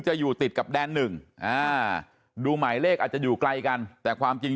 อยู่ติดกับแดนหนึ่งอ่าดูหมายเลขอาจจะอยู่ไกลกันแต่ความจริง